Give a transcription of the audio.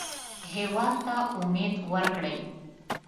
هېواد ته امید ورکړئ